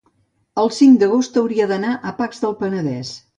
el cinc d'agost hauria d'anar a Pacs del Penedès.